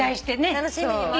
楽しみに。